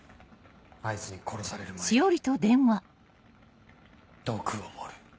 あいつに殺される前に毒を盛る。